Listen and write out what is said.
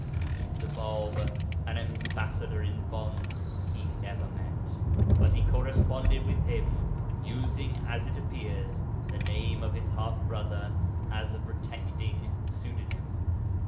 The Bāb 'an ambassador in bonds' he never met, but he corresponded with him, using (as it appears) the name of his half brother as a protecting pseudonym.